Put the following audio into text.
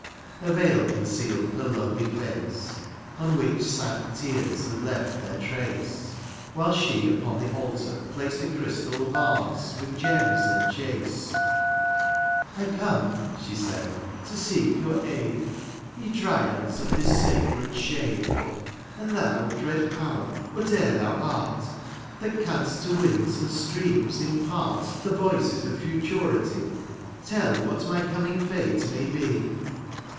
A veil concealed her lovely face. On which sad tears had left their trace ; While she upon the altar placed A crystal vase with gems enchased. THE AREOPAGITE. 39 ^^ I come/^ she said, ^^ to seek your aid, *^ Ye Diyads of this sacred shade ;'^ And thou, dread power, whatever thou art, {k) ^^ That canst to winds and streams impart ^^ The voices of futurity, '^ Tell what my coming fate may be.